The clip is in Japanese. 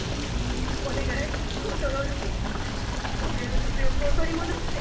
お願いコントロールケーキこずえの食欲を取りもどして。